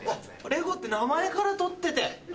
レゴって名前から取ってて。